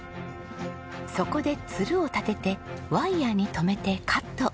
そこでつるを立ててワイヤに留めてカット。